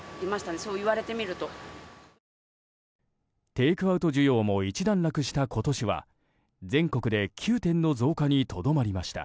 テイクアウト需要も一段落した今年は全国で９店の増加にとどまりました。